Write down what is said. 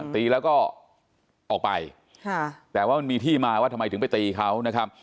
ตีแล้วก็ออกไปค่ะแต่ว่ามันมีที่มาว่าทำไมถึงไปตีเขานะครับ